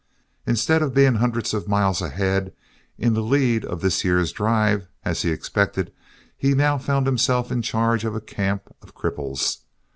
Instead of being hundreds of miles ahead in the lead of the year's drive, as he expected, he now found himself in charge of a camp of cripples.